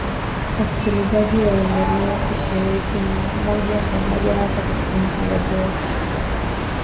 Wasikilizaji waendelea kushiriki moja kwa moja hasa katika matangazo yetu